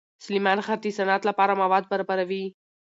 سلیمان غر د صنعت لپاره مواد برابروي.